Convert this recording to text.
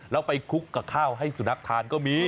แล้วไปคลุกกับข้าวให้สุนัขทานก็มี